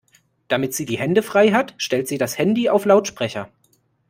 Damit sie die Hände frei hat, stellt sie das Handy auf Lautsprecher.